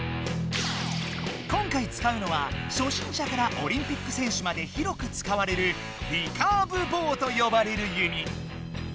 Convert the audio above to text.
今回使うのは初心者からオリンピックせんしゅまで広く使われる「リカーブボウ」とよばれる弓。